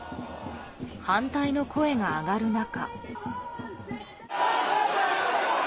反対の声が上がる中。